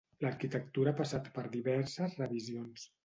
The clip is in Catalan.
L'arquitectura ha passat per diverses revisions.